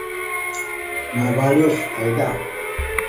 mabaliyus ayza